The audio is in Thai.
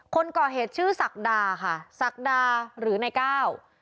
คนก่อเหตุชื่อศักดาค่ะศักดาหรือในก้าว